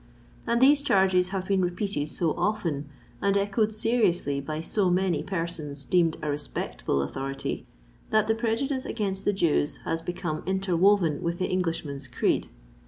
And these charges have been repeated so often, and echoed seriously by so many persons deemed a respectable authority, that the prejudice against the Jews has become interwoven with the Englishman's creed.